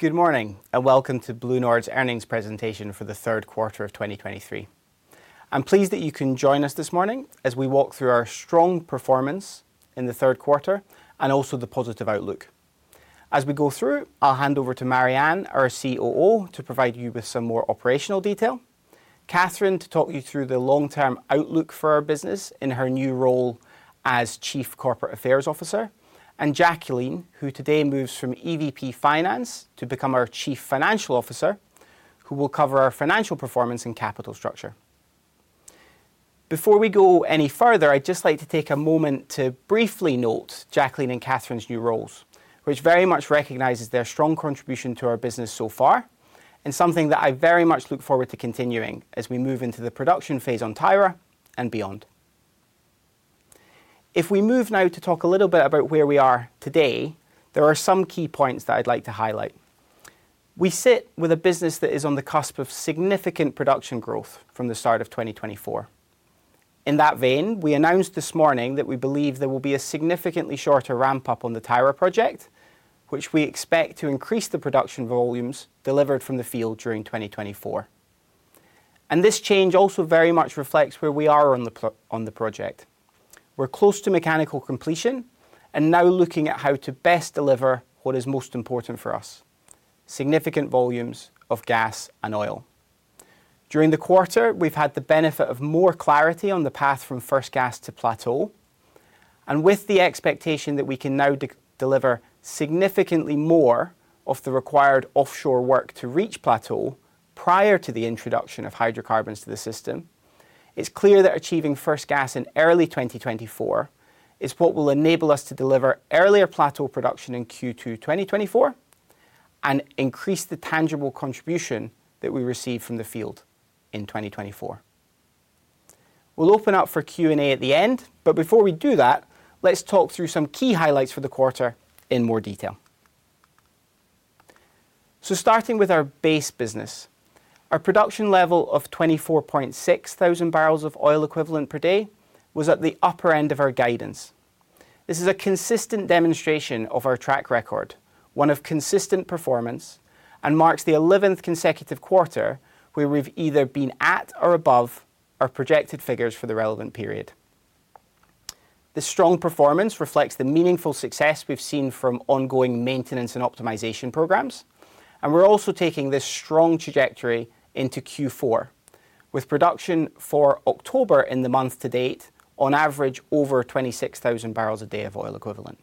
Good morning, and welcome to BlueNord's earnings presentation for the third quarter of 2023. I'm pleased that you can join us this morning as we walk through our strong performance in the third quarter and also the positive outlook. As we go through, I'll hand over to Marianne, our COO, to provide you with some more operational detail, Cathrine, to talk you through the long-term outlook for our business in her new role as Chief Corporate Affairs Officer, and Jacqueline, who today moves from EVP Finance to become our Chief Financial Officer, who will cover our financial performance and capital structure. Before we go any further, I'd just like to take a moment to briefly note Jacqueline and Cathrine's new roles, which very much recognizes their strong contribution to our business so far, and something that I very much look forward to continuing as we move into the production phase on Tyra and beyond. If we move now to talk a little bit about where we are today, there are some key points that I'd like to highlight. We sit with a business that is on the cusp of significant production growth from the start of 2024. In that vein, we announced this morning that we believe there will be a significantly shorter ramp-up on the Tyra project, which we expect to increase the production volumes delivered from the field during 2024. This change also very much reflects where we are on the project. We're close to mechanical completion and now looking at how to best deliver what is most important for us, significant volumes of gas and oil. During the quarter, we've had the benefit of more clarity on the path from first gas to plateau, and with the expectation that we can now deliver significantly more of the required offshore work to reach plateau prior to the introduction of hydrocarbons to the system, it's clear that achieving first gas in early 2024 is what will enable us to deliver earlier plateau production in Q2 2024 and increase the tangible contribution that we receive from the field in 2024. We'll open up for Q&A at the end, but before we do that, let's talk through some key highlights for the quarter in more detail. So starting with our base business, our production level of 24.6 thousand barrels of oil equivalent per day was at the upper end of our guidance. This is a consistent demonstration of our track record, one of consistent performance, and marks the 11th consecutive quarter where we've either been at or above our projected figures for the relevant period. The strong performance reflects the meaningful success we've seen from ongoing maintenance and optimization programs, and we're also taking this strong trajectory into Q4, with production for October in the month to date on average over 26 thousand barrels a day of oil equivalent.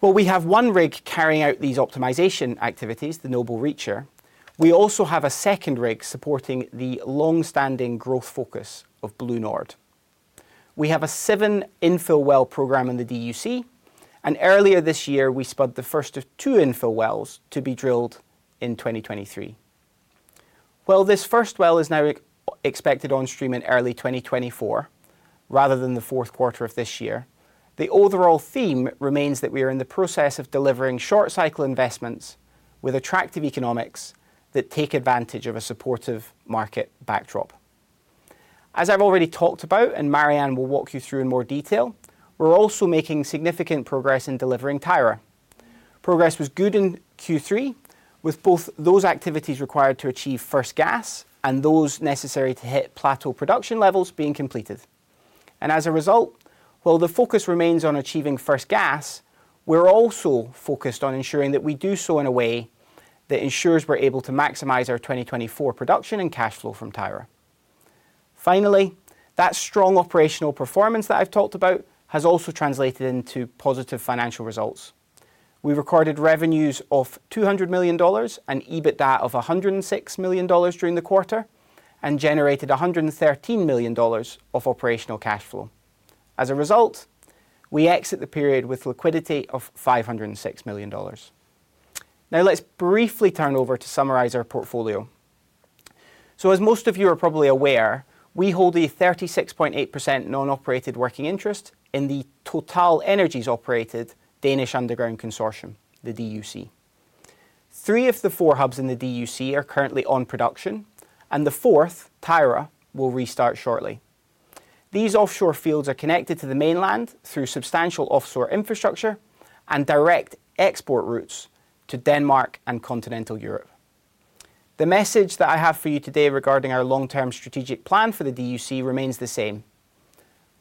Well, we have one rig carrying out these optimization activities, the Noble Reacher. We also have a second rig supporting the long-standing growth focus of BlueNord. We have a seven infill well program in the DUC, and earlier this year, we spud the first of two infill wells to be drilled in 2023. While this first well is now expected on stream in early 2024 rather than the fourth quarter of this year, the overall theme remains that we are in the process of delivering short-cycle investments with attractive economics that take advantage of a supportive market backdrop. As I've already talked about, and Marianne will walk you through in more detail, we're also making significant progress in delivering Tyra. Progress was good in Q3, with both those activities required to achieve first gas and those necessary to hit plateau production levels being completed. As a result, while the focus remains on achieving first gas, we're also focused on ensuring that we do so in a way that ensures we're able to maximize our 2024 production and cash flow from Tyra. Finally, that strong operational performance that I've talked about has also translated into positive financial results. We recorded revenues of $200 million and EBITDA of $106 million during the quarter and generated $113 million of operational cash flow. As a result, we exit the period with liquidity of $506 million. Now, let's briefly turn over to summarize our portfolio. So as most of you are probably aware, we hold a 36.8% non-operated working interest in the TotalEnergies-operated Danish Underground Consortium, the DUC. Three of the four hubs in the DUC are currently on production, and the fourth, Tyra, will restart shortly. These offshore fields are connected to the mainland through substantial offshore infrastructure and direct export routes to Denmark and continental Europe. The message that I have for you today regarding our long-term strategic plan for the DUC remains the same: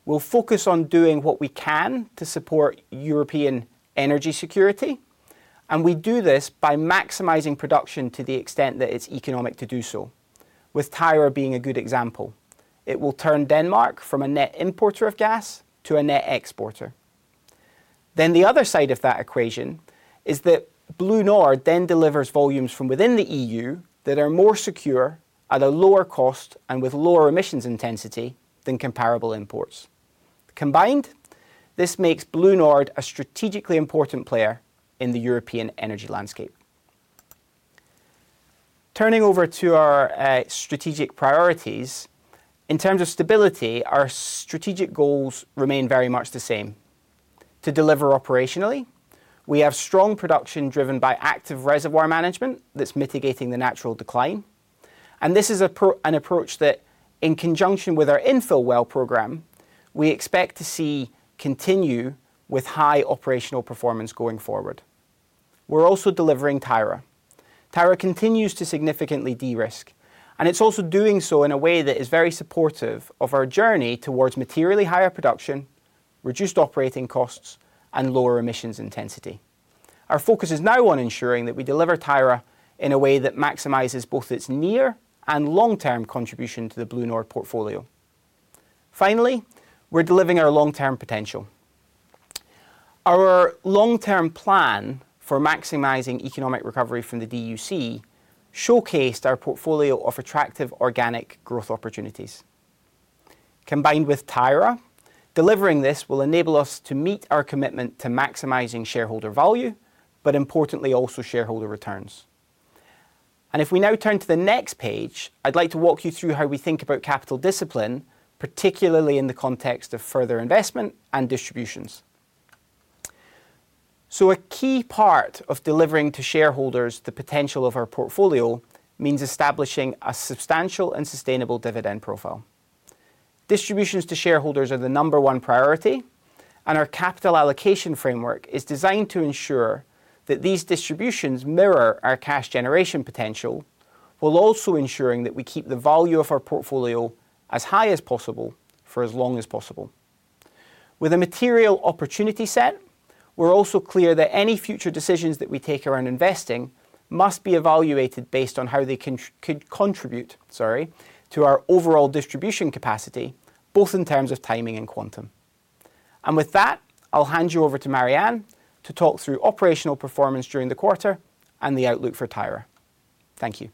We'll focus on doing what we can to support European energy security, and we do this by maximizing production to the extent that it's economic to do so, with Tyra being a good example. It will turn Denmark from a net importer of gas to a net exporter. Then the other side of that equation is that BlueNord then delivers volumes from within the EU that are more secure at a lower cost and with lower emissions intensity than comparable imports. Combined, this makes BlueNord a strategically important player in the European energy landscape. Turning over to our strategic priorities. In terms of stability, our strategic goals remain very much the same. To deliver operationally, we have strong production driven by active reservoir management that's mitigating the natural decline. And this is an approach that, in conjunction with our infill well program, we expect to see continue with high operational performance going forward. We're also delivering Tyra. Tyra continues to significantly de-risk, and it's also doing so in a way that is very supportive of our journey towards materially higher production, reduced operating costs, and lower emissions intensity. Our focus is now on ensuring that we deliver Tyra in a way that maximizes both its near and long-term contribution to the BlueNord portfolio. Finally, we're delivering our long-term potential. Our long-term plan for maximizing economic recovery from the DUC showcased our portfolio of attractive organic growth opportunities. Combined with Tyra, delivering this will enable us to meet our commitment to maximizing shareholder value, but importantly, also shareholder returns. If we now turn to the next page, I'd like to walk you through how we think about capital discipline, particularly in the context of further investment and distributions. A key part of delivering to shareholders the potential of our portfolio means establishing a substantial and sustainable dividend profile. Distributions to shareholders are the number one priority, and our capital allocation framework is designed to ensure that these distributions mirror our cash generation potential, while also ensuring that we keep the value of our portfolio as high as possible for as long as possible. With a material opportunity set, we're also clear that any future decisions that we take around investing must be evaluated based on how they could contribute, sorry, to our overall distribution capacity, both in terms of timing and quantum. And with that, I'll hand you over to Marianne to talk through operational performance during the quarter and the outlook for Tyra. Thank you.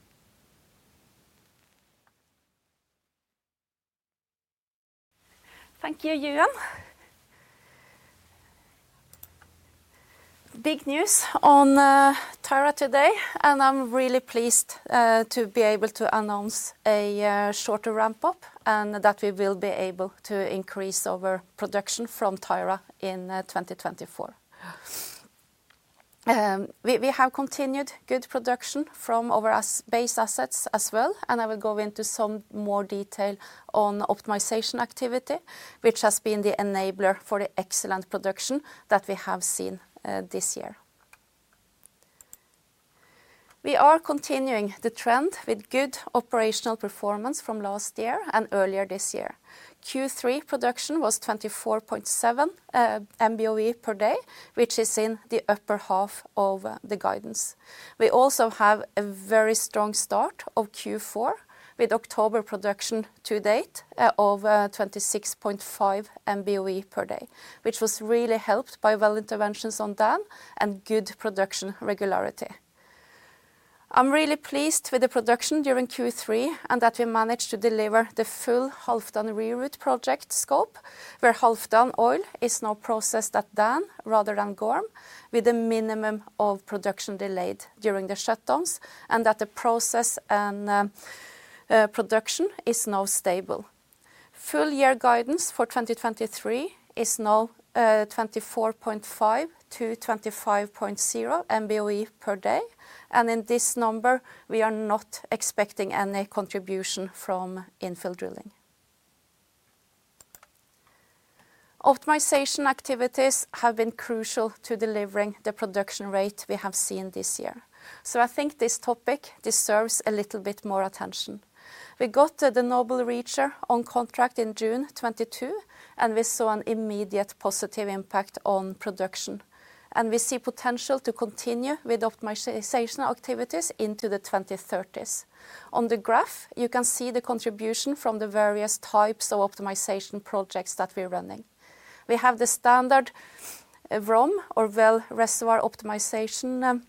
Thank you, Euan. Big news on Tyra today, and I'm really pleased to be able to announce a shorter ramp-up, and that we will be able to increase our production from Tyra in 2024. We have continued good production from our base assets as well, and I will go into some more detail on optimization activity, which has been the enabler for the excellent production that we have seen this year. We are continuing the trend with good operational performance from last year and earlier this year. Q3 production was 24.7 MBOE per day, which is in the upper half of the guidance. We also have a very strong start of Q4, with October production to date of 26.5 MBOE per day, which was really helped by well interventions on Dan and good production regularity. I'm really pleased with the production during Q3, and that we managed to deliver the full Halfdan Reroute project scope, where Halfdan oil is now processed at Dan rather than Gorm, with a minimum of production delayed during the shutdowns, and that the process and production is now stable. Full year guidance for 2023 is now 24.5-25.0 MBOE per day. In this number, we are not expecting any contribution from infill drilling. Optimization activities have been crucial to delivering the production rate we have seen this year, so I think this topic deserves a little bit more attention. We got the Noble Reacher on contract in June 2022, and we saw an immediate positive impact on production, and we see potential to continue with optimization activities into the 2030s. On the graph, you can see the contribution from the various types of optimization projects that we're running. We have the standard, WROM or Well Reservoir Optimization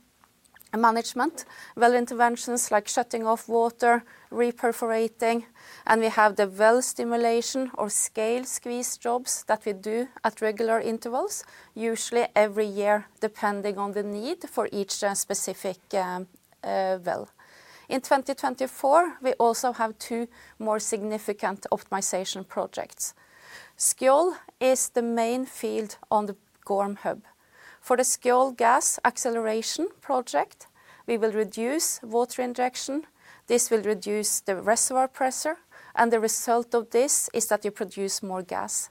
Management. Well interventions, like shutting off water, re-perforating, and we have the well stimulation or scale squeeze jobs that we do at regular intervals, usually every year, depending on the need for each specific well. In 2024, we also have two more significant optimization projects. Skjold is the main field on the Gorm hub. For the Skjold Gas Acceleration project, we will reduce water injection. This will reduce the reservoir pressure, and the result of this is that you produce more gas.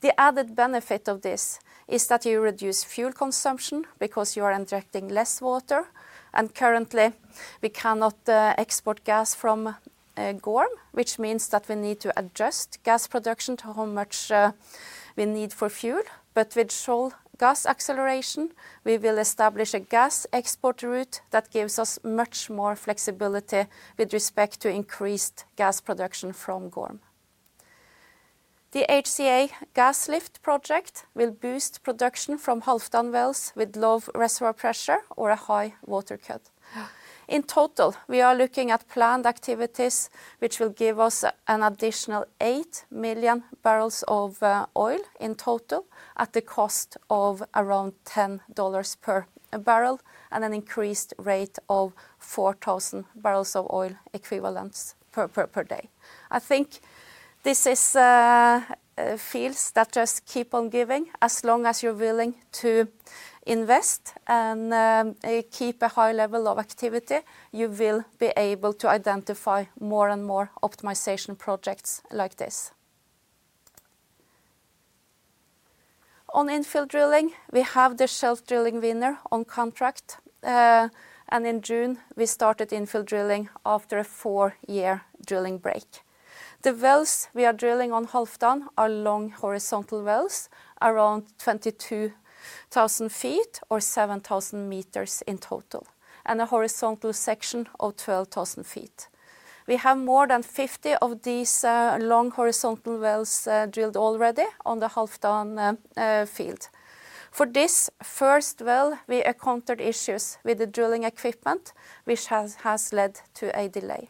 The added benefit of this is that you reduce fuel consumption because you are injecting less water, and currently, we cannot export gas from Gorm, which means that we need to adjust gas production to how much we need for fuel. But with Skjold Gas Acceleration, we will establish a gas export route that gives us much more flexibility with respect to increased gas production from Gorm. The HCA Gas Lift project will boost production from Halfdan wells with low reservoir pressure or a high water cut. In total, we are looking at planned activities which will give us an additional 8 million barrels of oil in total, at the cost of around $10 per barrel, and an increased rate of 4,000 barrels of oil equivalent per day. I think this is fields that just keep on giving. As long as you're willing to invest and keep a high level of activity, you will be able to identify more and more optimization projects like this. On infill drilling, we have the Shelf Drilling Winner on contract. In June, we started infill drilling after a 4-year drilling break. The wells we are drilling on Halfdan are long horizontal wells, around 22,000 feet or 7,000 meters in total, and a horizontal section of 12,000 feet. We have more than 50 of these long horizontal wells drilled already on the Halfdan field. For this first well, we encountered issues with the drilling equipment, which has led to a delay.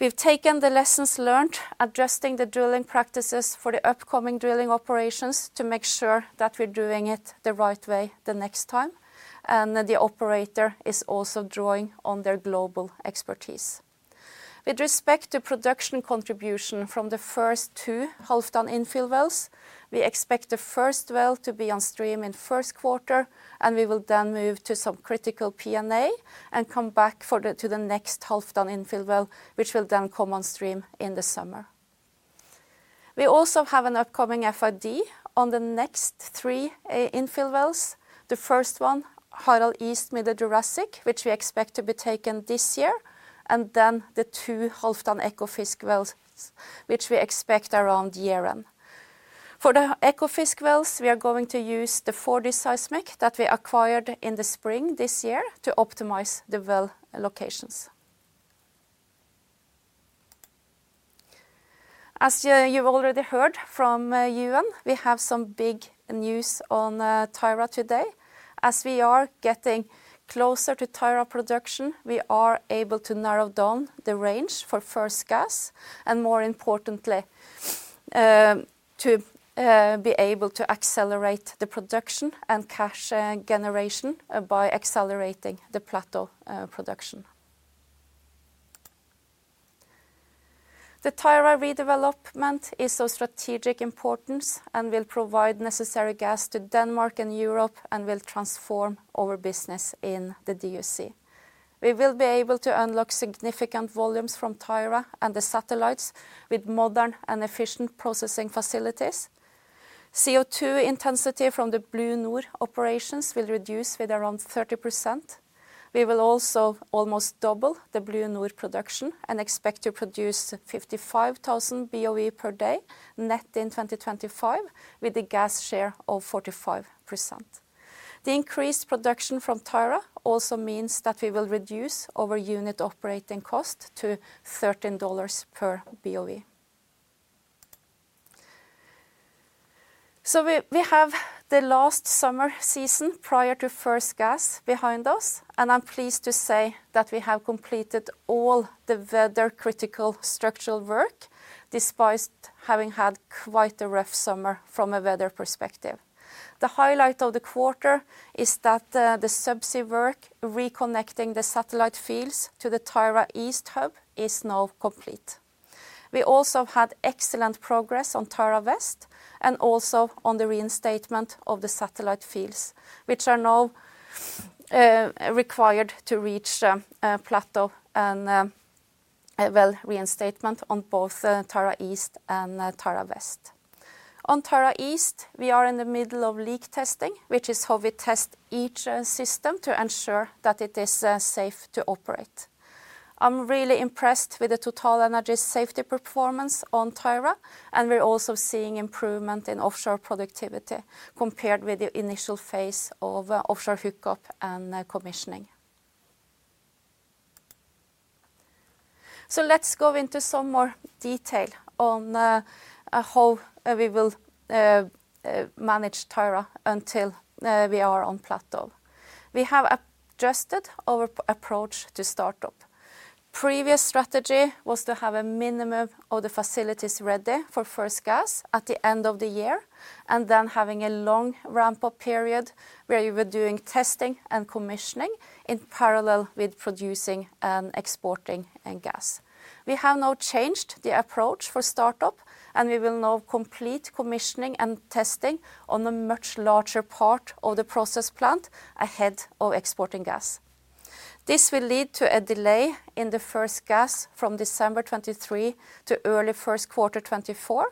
We've taken the lessons learned, adjusting the drilling practices for the upcoming drilling operations to make sure that we're doing it the right way the next time, and the operator is also drawing on their global expertise. With respect to production contribution from the first two Halfdan infill wells, we expect the first well to be on stream in first quarter, and we will then move to some critical P&A and come back for the, to the next Halfdan infill well, which will then come on stream in the summer. We also have an upcoming FID on the next three infill wells. The first one, Harald East Middle Jurassic, which we expect to be taken this year, and then the two Halfdan Ekofisk wells, which we expect around year-end. For the Ekofisk wells, we are going to use the 4D seismic that we acquired in the spring this year to optimize the well locations. As you, you've already heard from, Euan, we have some big news on, Tyra today. As we are getting closer to Tyra production, we are able to narrow down the range for first gas, and more importantly, to be able to accelerate the production and cash generation by accelerating the plateau production. The Tyra redevelopment is of strategic importance and will provide necessary gas to Denmark and Europe and will transform our business in the DUC. We will be able to unlock significant volumes from Tyra and the satellites with modern and efficient processing facilities. CO2 intensity from the BlueNord operations will reduce with around 30%. We will also almost double the BlueNord production and expect to produce 55,000 BOE per day net in 2025, with a gas share of 45%. The increased production from Tyra also means that we will reduce our unit operating cost to $13 per BOE. So we have the last summer season prior to first gas behind us, and I'm pleased to say that we have completed all the weather-critical structural work, despite having had quite a rough summer from a weather perspective. The highlight of the quarter is that the subsea work reconnecting the satellite fields to the Tyra East hub is now complete. We also had excellent progress on Tyra West and also on the reinstatement of the satellite fields, which are now required to reach plateau and well, reinstatement on both Tyra East and Tyra West. On Tyra East, we are in the middle of leak testing, which is how we test each system to ensure that it is safe to operate. I'm really impressed with the TotalEnergies safety performance on Tyra, and we're also seeing improvement in offshore productivity compared with the initial phase of offshore hookup and commissioning. So let's go into some more detail on how we will manage Tyra until we are on plateau. We have adjusted our approach to start up. Previous strategy was to have a minimum of the facilities ready for first gas at the end of the year, and then having a long ramp-up period where you were doing testing and commissioning in parallel with producing and exporting and gas. We have now changed the approach for start-up, and we will now complete commissioning and testing on a much larger part of the process plant ahead of exporting gas. This will lead to a delay in the first gas from December 2023 to early first quarter 2024,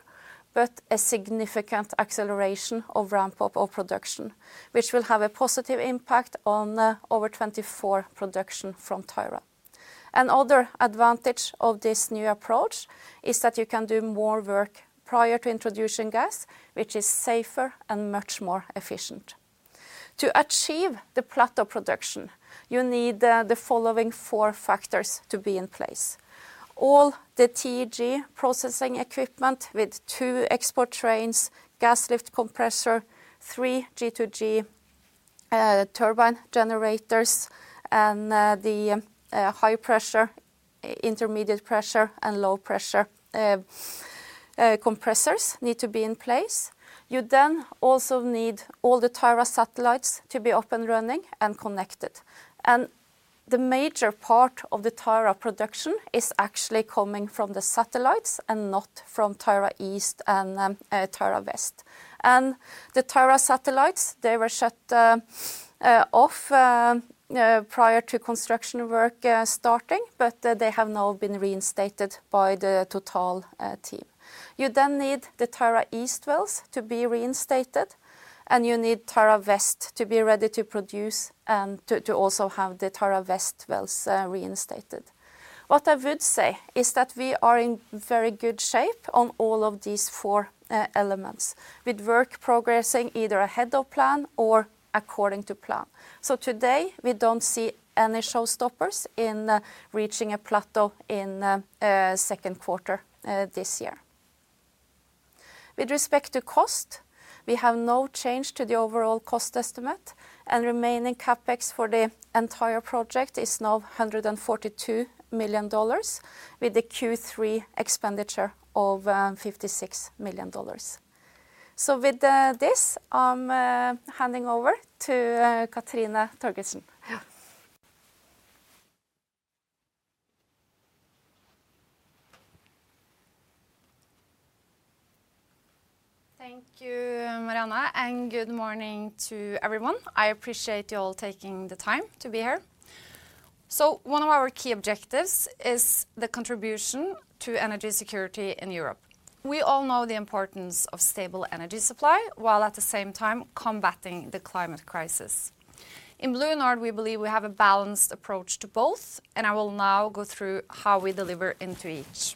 but a significant acceleration of ramp-up of production, which will have a positive impact on our 2024 production from Tyra. Another advantage of this new approach is that you can do more work prior to introducing gas, which is safer and much more efficient. To achieve the plateau production, you need the following 4 factors to be in place. All the TEG processing equipment with two export trains, gas lift compressor, three G2G turbine generators, and the high pressure, intermediate pressure, and low pressure compressors need to be in place. You then also need all the Tyra satellites to be up and running and connected. The major part of the Tyra production is actually coming from the satellites and not from Tyra East and Tyra West. The Tyra satellites, they were shut off prior to construction work starting, but they have now been reinstated by the Total team. You then need the Tyra East wells to be reinstated, and you need Tyra West to be ready to produce and to also have the Tyra West wells reinstated. What I would say is that we are in very good shape on all of these four elements, with work progressing either ahead of plan or according to plan. So today we don't see any showstoppers in reaching a plateau in second quarter this year. With respect to cost, we have no change to the overall cost estimate, and remaining CapEx for the entire project is now $142 million, with the Q3 expenditure of $56 million. So with this, I'm handing over to Cathrine Torgersen. Yeah. Thank you, Marianne, and good morning to everyone. I appreciate you all taking the time to be here. One of our key objectives is the contribution to energy security in Europe. We all know the importance of stable energy supply, while at the same time combating the climate crisis. In BlueNord, we believe we have a balanced approach to both, and I will now go through how we deliver into each.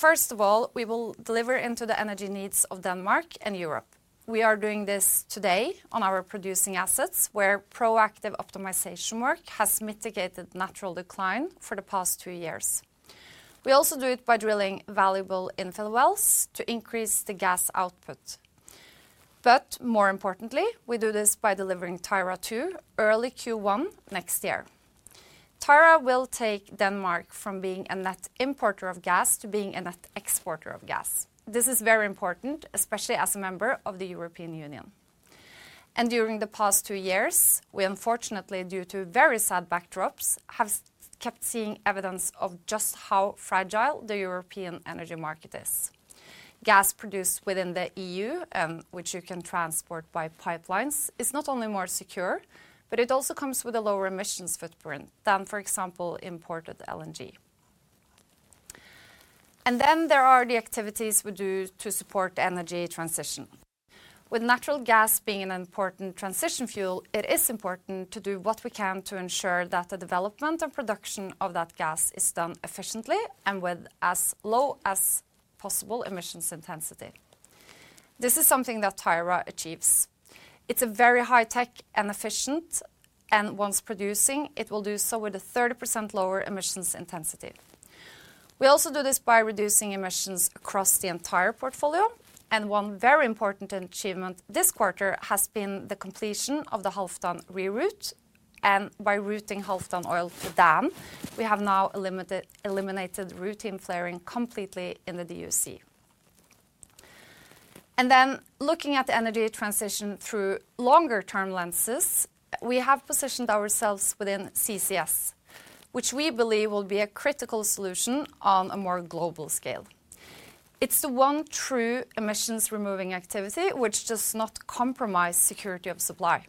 First of all, we will deliver into the energy needs of Denmark and Europe. We are doing this today on our producing assets, where proactive optimization work has mitigated natural decline for the past two years. We also do it by drilling valuable infill wells to increase the gas output, but more importantly, we do this by delivering Tyra II early Q1 next year. Tyra will take Denmark from being a net importer of gas to being a net exporter of gas. This is very important, especially as a member of the European Union. During the past two years, we unfortunately, due to very sad backdrops, have kept seeing evidence of just how fragile the European energy market is. Gas produced within the EU, which you can transport by pipelines, is not only more secure, but it also comes with a lower emissions footprint than, for example, imported LNG. Then there are the activities we do to support the energy transition. With natural gas being an important transition fuel, it is important to do what we can to ensure that the development and production of that gas is done efficiently and with as low as possible emissions intensity. This is something that Tyra achieves. It's a very high tech and efficient, and once producing, it will do so with a 30% lower emissions intensity. We also do this by reducing emissions across the entire portfolio, and one very important achievement this quarter has been the completion of the Halfdan Reroute, and by routing Halfdan oil to Dan, we have now eliminated routine flaring completely in the DUC. Then looking at the energy transition through longer-term lenses, we have positioned ourselves within CCS, which we believe will be a critical solution on a more global scale. It's the one true emissions-removing activity which does not compromise security of supply.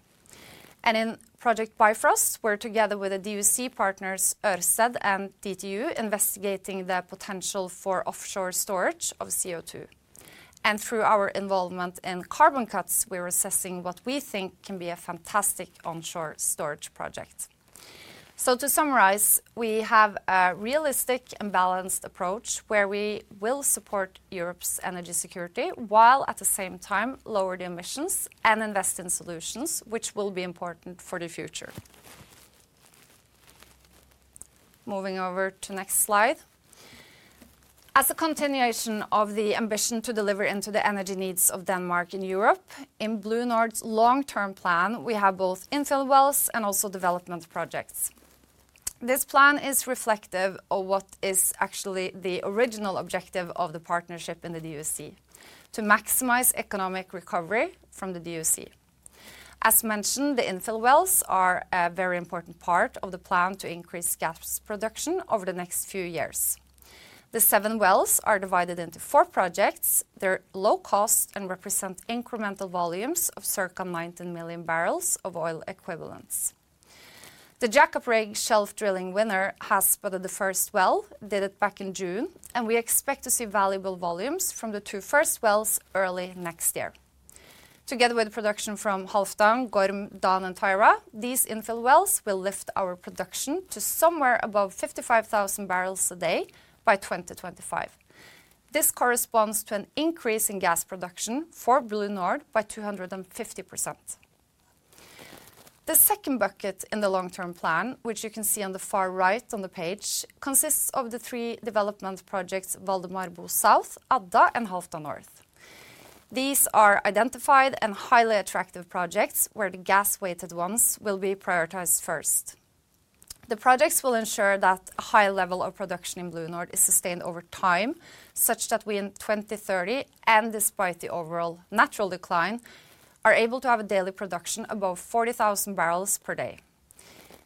And in Project Bifrost, we're together with the DUC partners, Ørsted and DTU, investigating the potential for offshore storage of CO2. And through our involvement in CarbonCuts, we're assessing what we think can be a fantastic onshore storage project. To summarize, we have a realistic and balanced approach where we will support Europe's energy security, while at the same time lower the emissions and invest in solutions which will be important for the future. Moving over to next slide. As a continuation of the ambition to deliver into the energy needs of Denmark and Europe, in BlueNord's long-term plan, we have both infill wells and also development projects. This plan is reflective of what is actually the original objective of the partnership in the DUC: to maximize economic recovery from the DUC. As mentioned, the infill wells are a very important part of the plan to increase gas production over the next few years. The 7 wells are divided into 4 projects. They're low cost and represent incremental volumes of circa 19 million barrels of oil equivalents. The jack-up rig Shelf Drilling Winner has spudded the first well, did it back in June, and we expect to see valuable volumes from the two first wells early next year. Together with production from Halfdan, Gorm, Dan and Tyra, these infill wells will lift our production to somewhere above 55,000 barrels a day by 2025. This corresponds to an increase in gas production for BlueNord by 250%. The second bucket in the long-term plan, which you can see on the far right on the page, consists of the three development projects, Valdemar Bo South, Adda and Halfdan North. These are identified and highly attractive projects, where the gas-weighted ones will be prioritized first. The projects will ensure that a high level of production in BlueNord is sustained over time, such that we in 2030, and despite the overall natural decline, are able to have a daily production above 40,000 barrels per day.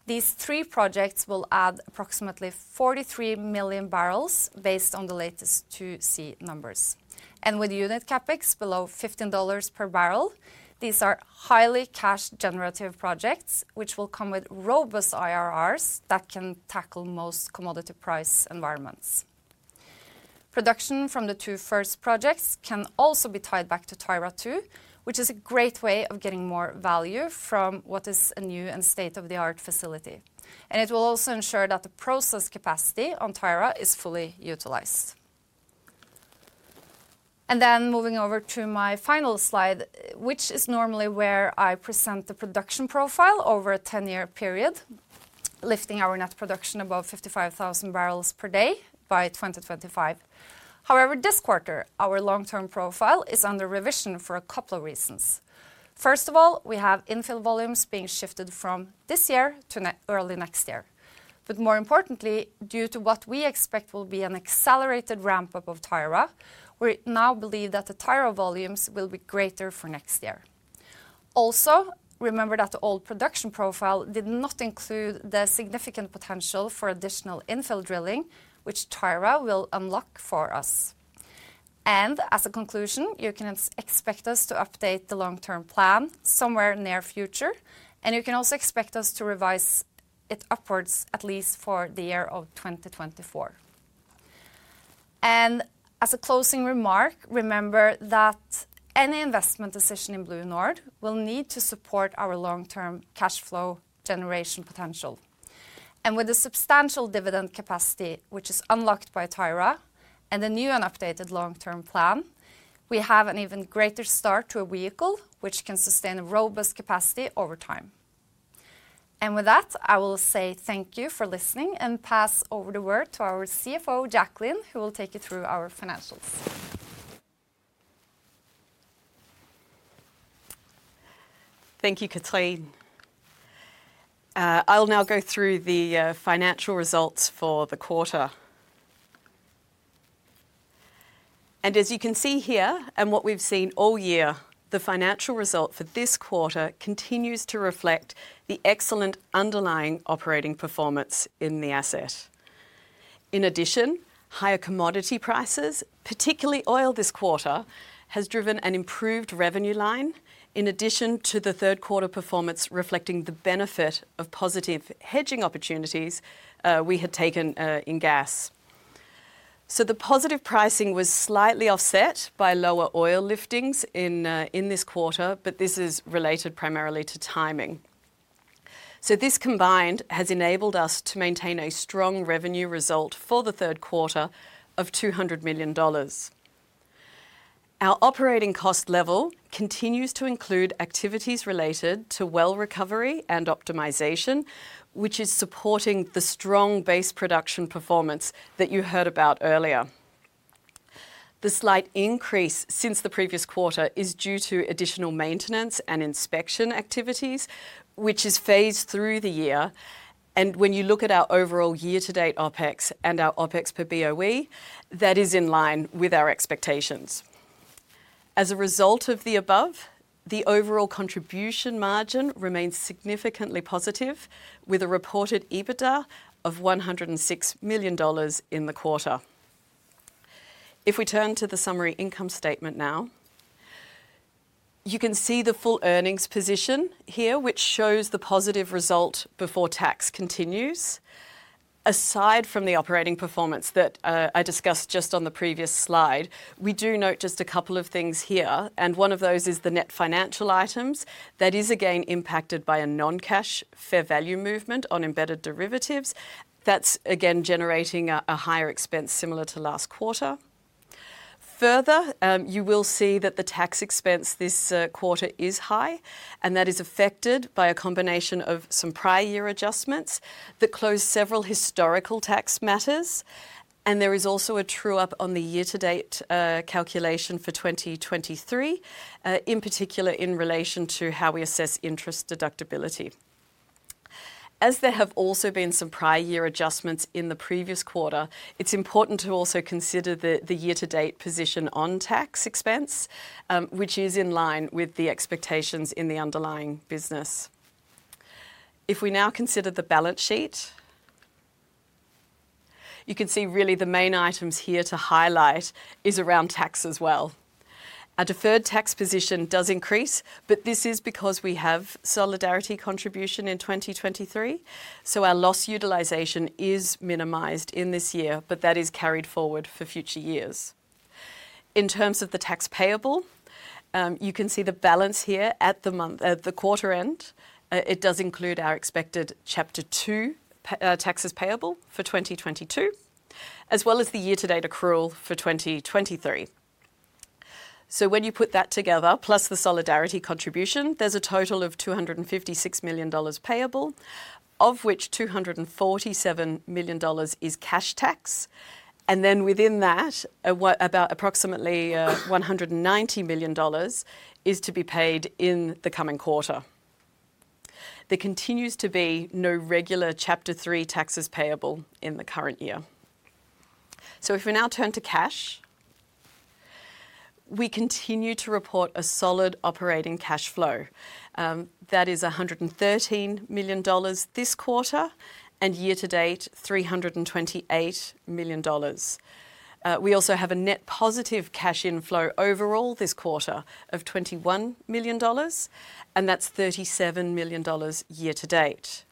These three projects will add approximately 43 million barrels based on the latest 2C numbers. And with unit CapEx below $15 per barrel, these are highly cash generative projects, which will come with robust IRRs that can tackle most commodity price environments. Production from the 2 first projects can also be tied back to Tyra II, which is a great way of getting more value from what is a new and state-of-the-art facility. And it will also ensure that the process capacity on Tyra is fully utilized. Then moving over to my final slide, which is normally where I present the production profile over a 10-year period, lifting our net production above 55,000 barrels per day by 2025. However, this quarter, our long-term profile is under revision for a couple of reasons. First of all, we have infill volumes being shifted from this year to early next year. But more importantly, due to what we expect will be an accelerated ramp-up of Tyra, we now believe that the Tyra volumes will be greater for next year. Also, remember that the old production profile did not include the significant potential for additional infill drilling, which Tyra will unlock for us. As a conclusion, you can expect us to update the long-term plan somewhere in near future, and you can also expect us to revise it upwards, at least for the year of 2024. As a closing remark, remember that any investment decision in BlueNord will need to support our long-term cash flow generation potential. And with a substantial dividend capacity, which is unlocked by Tyra and a new and updated long-term plan, we have an even greater start to a vehicle which can sustain a robust capacity over time. And with that, I will say thank you for listening and pass over the word to our CFO, Jacqueline, who will take you through our financials. Thank you, Cathrine. I'll now go through the financial results for the quarter. As you can see here, and what we've seen all year, the financial result for this quarter continues to reflect the excellent underlying operating performance in the asset. In addition, higher commodity prices, particularly oil this quarter, has driven an improved revenue line, in addition to the third quarter performance, reflecting the benefit of positive hedging opportunities, we had taken, in gas. The positive pricing was slightly offset by lower oil liftings in this quarter, but this is related primarily to timing. This combined has enabled us to maintain a strong revenue result for the third quarter of $200 million. Our operating cost level continues to include activities related to well recovery and optimization, which is supporting the strong base production performance that you heard about earlier. The slight increase since the previous quarter is due to additional maintenance and inspection activities, which is phased through the year. When you look at our overall year to date OpEx and our OpEx per BOE, that is in line with our expectations. As a result of the above, the overall contribution margin remains significantly positive, with a reported EBITDA of $106 million in the quarter. If we turn to the summary income statement now, you can see the full earnings position here, which shows the positive result before tax continues. Aside from the operating performance that I discussed just on the previous slide, we do note just a couple of things here, and one of those is the net financial items. That is, again, impacted by a non-cash fair value movement on embedded derivatives. That's, again, generating a higher expense similar to last quarter. Further, you will see that the tax expense this quarter is high, and that is affected by a combination of some prior year adjustments that closed several historical tax matters, and there is also a true-up on the year-to-date calculation for 2023, in particular, in relation to how we assess interest deductibility. As there have also been some prior year adjustments in the previous quarter, it's important to also consider the year-to-date position on tax expense, which is in line with the expectations in the underlying business. If we now consider the balance sheet, you can see really the main items here to highlight is around tax as well. Our deferred tax position does increase, but this is because we have Solidarity Contribution in 2023, so our loss utilization is minimized in this year, but that is carried forward for future years. In terms of the tax payable, you can see the balance here at the quarter end. It does include our expected Chapter 2 taxes payable for 2022, as well as the year-to-date accrual for 2023. So when you put that together, plus the Solidarity Contribution, there's a total of $256 million payable, of which $247 million is cash tax, and then within that, approximately $190 million is to be paid in the coming quarter. There continues to be no regular Chapter three taxes payable in the current year. So if we now turn to cash, we continue to report a solid operating cash flow that is $113 million this quarter, and year to date, $328 million. We also have a net positive cash inflow overall this quarter of $21 million, and that's $37 million year to date.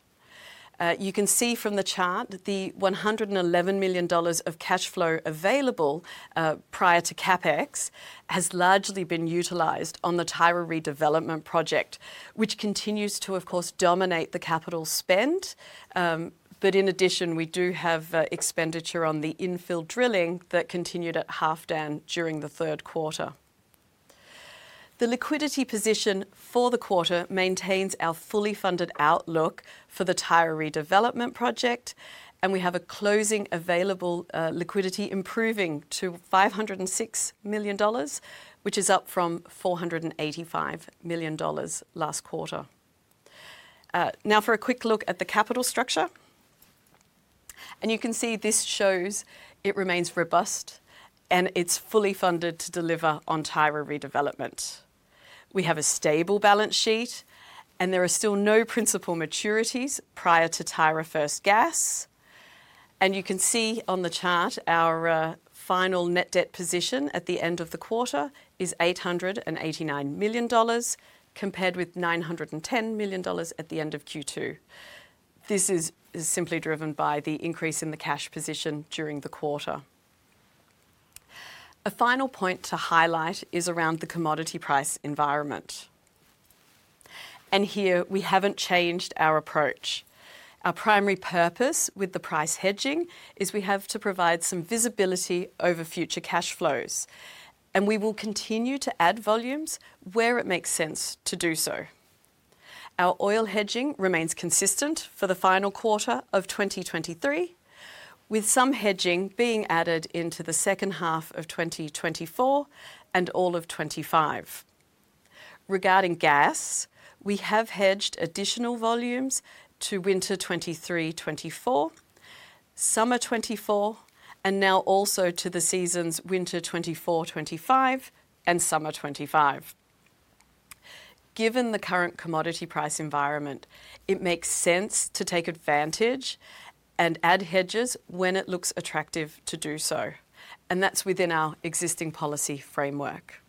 You can see from the chart that the $111 million of cash flow available, prior to CapEx, has largely been utilized on the Tyra redevelopment project, which continues to, of course, dominate the capital spend. But in addition, we do have expenditure on the infill drilling that continued at Halfdan during the third quarter. The liquidity position for the quarter maintains our fully funded outlook for the Tyra redevelopment project, and we have a closing available liquidity improving to $506 million, which is up from $485 million last quarter. Now for a quick look at the capital structure, and you can see this shows it remains robust and it's fully funded to deliver on Tyra redevelopment. We have a stable balance sheet, and there are still no principal maturities prior to Tyra first gas. You can see on the chart, our final net debt position at the end of the quarter is $889 million, compared with $910 million at the end of Q2. This is simply driven by the increase in the cash position during the quarter. A final point to highlight is around the commodity price environment. Here, we haven't changed our approach. Our primary purpose with the price hedging is we have to provide some visibility over future cash flows, and we will continue to add volumes where it makes sense to do so. Our oil hedging remains consistent for the final quarter of 2023, with some hedging being added into the H2 of 2024 and all of 2025. Regarding gas, we have hedged additional volumes to winter 2023, 2024, summer 2024, and now also to the seasons winter 2024, 2025 and summer 2025. Given the current commodity price environment, it makes sense to take advantage and add hedges when it looks attractive to do so, and that's within our existing policy framework.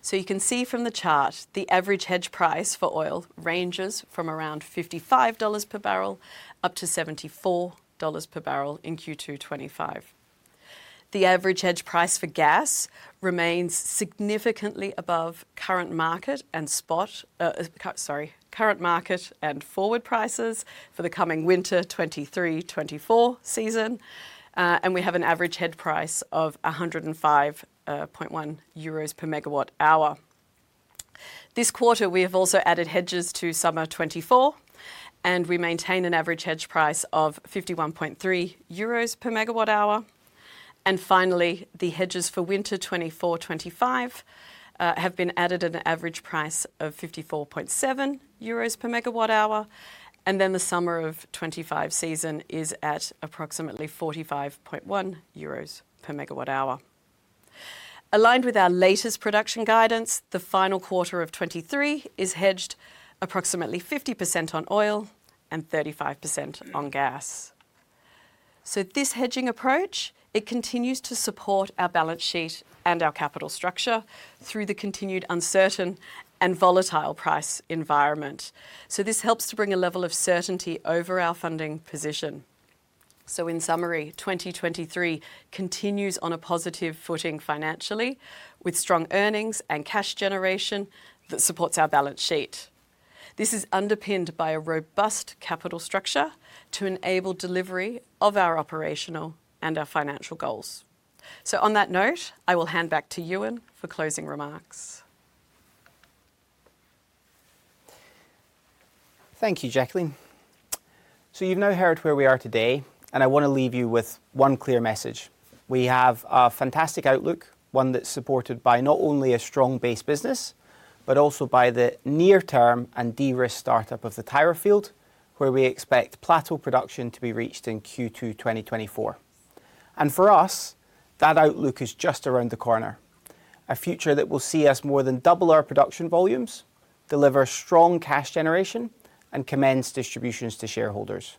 So you can see from the chart, the average hedge price for oil ranges from around $55 per barrel up to $74 per barrel in Q2 2025. The average hedge price for gas remains significantly above current market and spot, sorry, current market and forward prices for the coming winter 2023, 2024 season. And we have an average hedge price of 105.1 euros per megawatt hour. This quarter, we have also added hedges to summer 2024, and we maintain an average hedge price of 51.3 euros per megawatt hour. And finally, the hedges for winter 2024-2025 have been added at an average price of 54.7 euros per megawatt hour, and then the summer of 2025 season is at approximately 45.1 euros per megawatt hour. Aligned with our latest production guidance, the final quarter of 2023 is hedged approximately 50% on oil and 35% on gas. So this hedging approach, it continues to support our balance sheet and our capital structure through the continued uncertain and volatile price environment. So this helps to bring a level of certainty over our funding position. So in summary, 2023 continues on a positive footing financially, with strong earnings and cash generation that supports our balance sheet. This is underpinned by a robust capital structure to enable delivery of our operational and our financial goals. So on that note, I will hand back to Euan for closing remarks. Thank you, Jacqueline. So you've now heard where we are today, and I want to leave you with one clear message: We have a fantastic outlook, one that's supported by not only a strong base business, but also by the near term and de-risk startup of the Tyra field, where we expect plateau production to be reached in Q2 2024. And for us, that outlook is just around the corner. A future that will see us more than double our production volumes, deliver strong cash generation, and commence distributions to shareholders.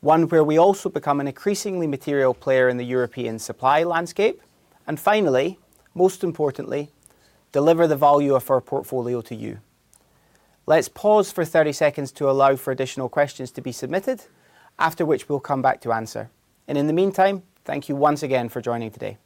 One where we also become an increasingly material player in the European supply landscape. And finally, most importantly, deliver the value of our portfolio to you. Let's pause for 30 seconds to allow for additional questions to be submitted, after which we'll come back to answer. And in the meantime, thank you once again for joining today.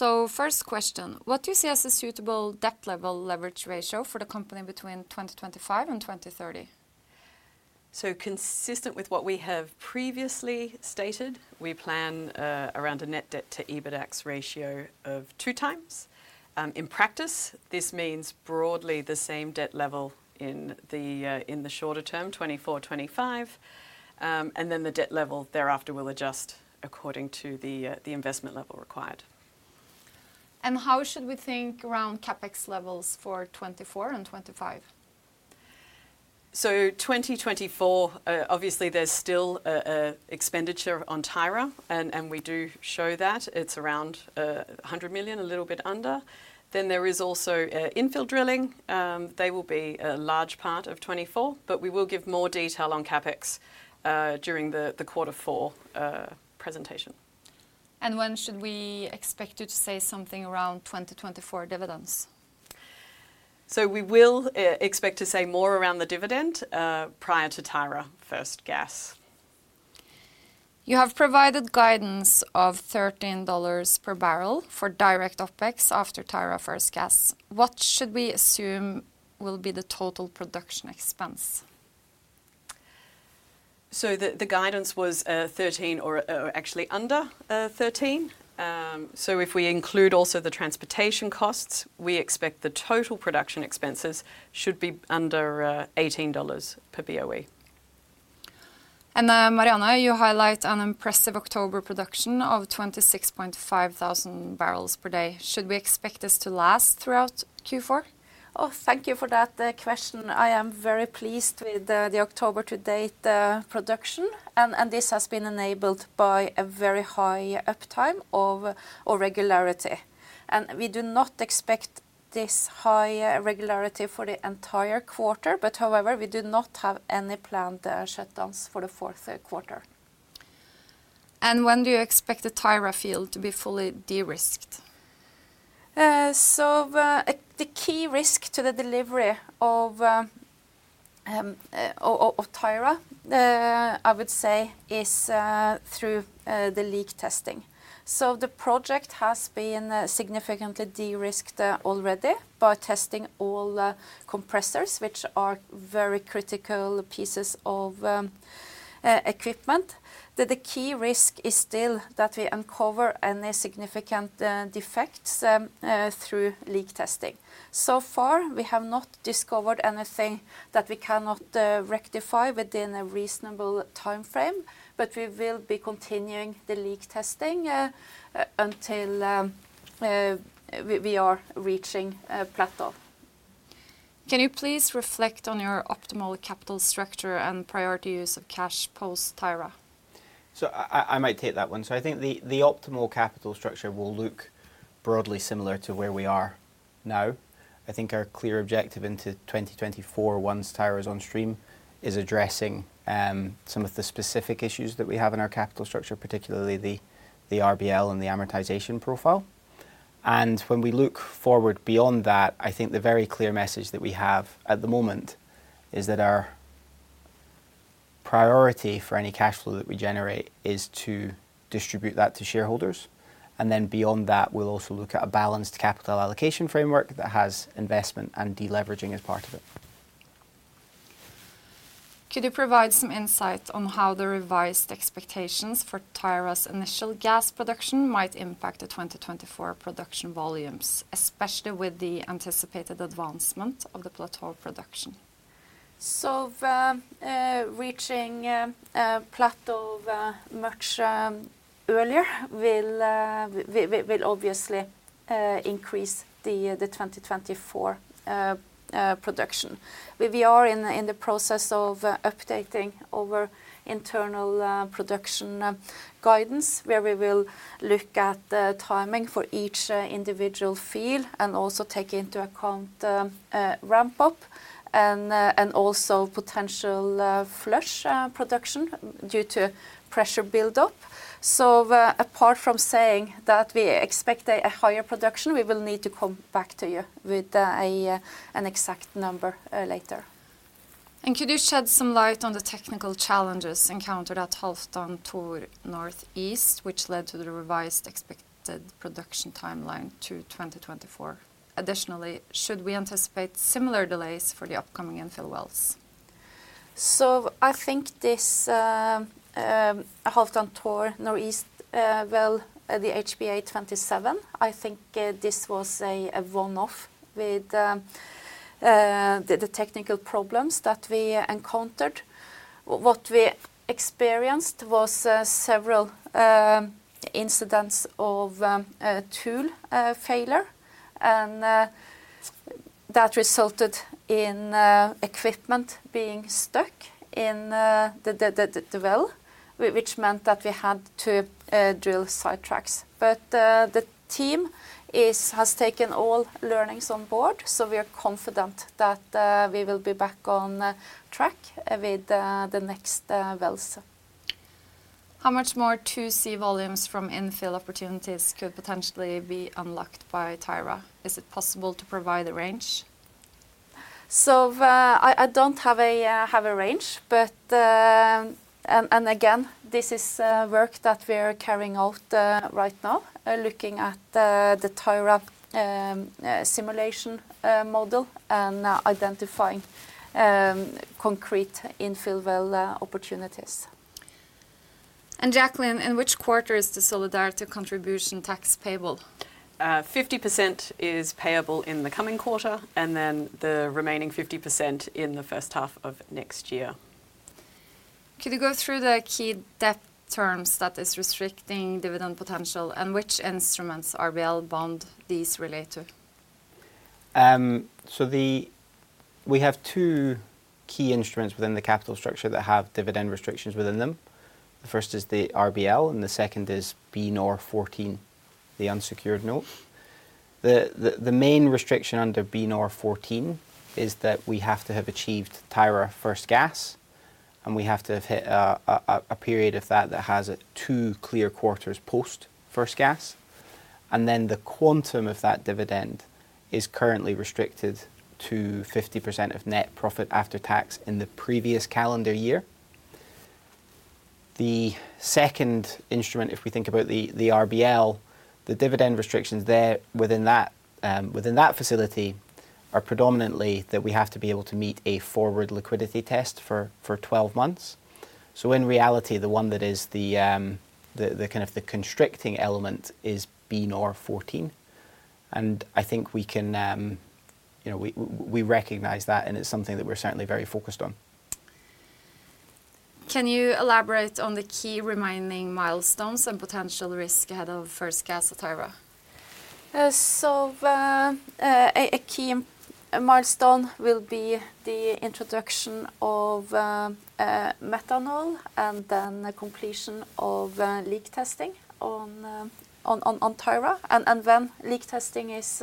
So first question: What do you see as a suitable debt level leverage ratio for the company between 2025 and 2030? So consistent with what we have previously stated, we plan around a net debt to EBITDA ratio of 2x. In practice, this means broadly the same debt level in the shorter term, 2024, 2025. And then the debt level thereafter will adjust according to the investment level required. How should we think around CapEx levels for 2024 and 2025? 2024, obviously there's still an expenditure on Tyra, and we do show that. It's around $100 million, a little bit under. Then there is also infill drilling. They will be a large part of 2024, but we will give more detail on CapEx during the quarter four presentation. When should we expect you to say something around 2024 dividends? So we will expect to say more around the dividend prior to Tyra first gas. You have provided guidance of $13 per barrel for direct OpEx after Tyra first gas. What should we assume will be the total production expense? So the guidance was 13 or actually under 13. So if we include also the transportation costs, we expect the total production expenses should be under $18 per BOE. Marianne, you highlight an impressive October production of 26,500 barrels per day. Should we expect this to last throughout Q4? Oh, thank you for that, question. I am very pleased with the, the October to date, production, and, and this has been enabled by a very high uptime or regularity. And we do not expect this high regularity for the entire quarter, but however, we do not have any planned, shutdowns for the fourth quarter. When do you expect the Tyra field to be fully de-risked? The key risk to the delivery of Tyra, I would say is through the leak testing. The project has been significantly de-risked already by testing all compressors, which are very critical pieces of equipment. That the key risk is still that we uncover any significant defects through leak testing. So far, we have not discovered anything that we cannot rectify within a reasonable timeframe, but we will be continuing the leak testing until we are reaching a plateau. Can you please reflect on your optimal capital structure and priority use of cash post Tyra? So I might take that one. So I think the optimal capital structure will look broadly similar to where we are now. I think our clear objective into 2024, once Tyra is on stream, is addressing some of the specific issues that we have in our capital structure, particularly the RBL and the amortization profile. And when we look forward beyond that, I think the very clear message that we have at the moment is that our priority for any cash flow that we generate is to distribute that to shareholders. And then beyond that, we'll also look at a balanced capital allocation framework that has investment and de-leveraging as part of it. Could you provide some insight on how the revised expectations for Tyra's initial gas production might impact the 2024 production volumes, especially with the anticipated advancement of the plateau production? So, reaching a plateau much earlier will obviously increase the 2024 production. We are in the process of updating our internal production guidance, where we will look at the timing for each individual field and also take into account ramp-up and also potential flush production due to pressure build-up. So, apart from saying that we expect a higher production, we will need to come back to you with an exact number later. Could you shed some light on the technical challenges encountered at Halfdan Tor North East, which led to the revised expected production timeline to 2024? Additionally, should we anticipate similar delays for the upcoming infill wells? So I think this Halfdan Tor Northeast well, the HBA 27, I think, this was a one-off with the technical problems that we encountered. What we experienced was several incidents of a tool failure, and that resulted in equipment being stuck in the well, which meant that we had to drill sidetracks. But the team has taken all learnings on board, so we are confident that we will be back on track with the next wells. How much more 2C volumes from infill opportunities could potentially be unlocked by Tyra? Is it possible to provide a range? So, I don't have a range, but, and again, this is work that we are carrying out right now, looking at the Tyra simulation model, and identifying concrete infill well opportunities. Jacqueline, in which quarter is the Solidarity Contribution tax payable? 50% is payable in the coming quarter, and then the remaining 50% in the H1 of next year. Could you go through the key debt terms that is restricting dividend potential, and which instruments are well, bond these relate to? So, we have two key instruments within the capital structure that have dividend restrictions within them. The first is the RBL, and the second is BNOR14, the unsecured note. The main restriction under BNOR14 is that we have to have achieved Tyra first gas, and we have to have hit a period of that that has 2 clear quarters post first gas. And then the quantum of that dividend is currently restricted to 50% of net profit after tax in the previous calendar year. The second instrument, if we think about the RBL, the dividend restrictions there within that within that facility, are predominantly that we have to be able to meet a forward liquidity test for 12 months. So in reality, the one that is the kind of the constricting element is BNOR14. I think we can. You know, we recognize that, and it's something that we're certainly very focused on. Can you elaborate on the key remaining milestones and potential risk ahead of first gas at Tyra? So, a key milestone will be the introduction of methanol, and then the completion of leak testing on Tyra. When leak testing is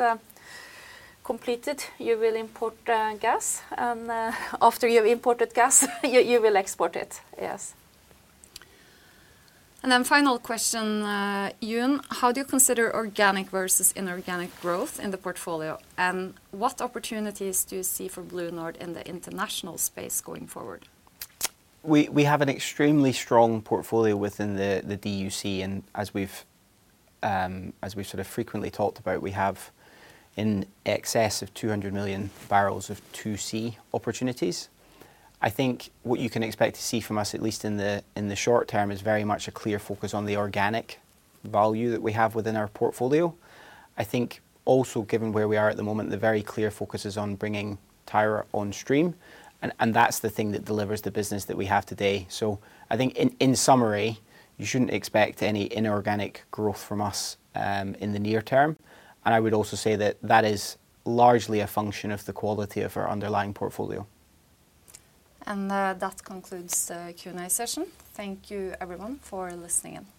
completed, you will import gas, and after you've imported gas, you will export it. Yes. And then final question, Euan. How do you consider organic versus inorganic growth in the portfolio? And what opportunities do you see for BlueNord in the international space going forward? We have an extremely strong portfolio within the DUC, and as we've as we've sort of frequently talked about, we have in excess of 200 million barrels of 2C opportunities. I think what you can expect to see from us, at least in the short term, is very much a clear focus on the organic value that we have within our portfolio. I think also, given where we are at the moment, the very clear focus is on bringing Tyra on stream, and that's the thing that delivers the business that we have today. So I think in summary, you shouldn't expect any inorganic growth from us in the near term. And I would also say that that is largely a function of the quality of our underlying portfolio. That concludes the Q&A session. Thank you, everyone, for listening in.